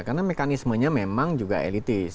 karena mekanismenya memang juga elitis